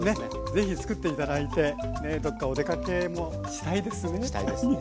ぜひ作って頂いてどっかお出かけもしたいですね。